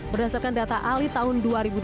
berdasarkan data ali tahun dua ribu dua puluh